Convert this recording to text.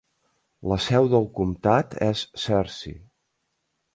La seu del comtat és Searcy.